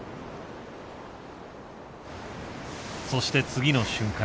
そして次の瞬間